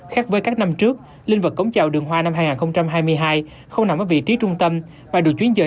khác với các năm trước linh vật cống chào đường hoa năm hai nghìn hai mươi hai không nằm ở vị trí trung tâm mà được chuyển giới